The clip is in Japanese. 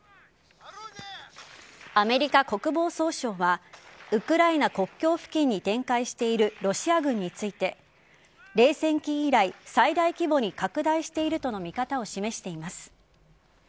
アメリカ国防総省はウクライナ国境付近に展開しているロシア軍について冷戦期以来最大規模に拡大しているとの見方を示しています。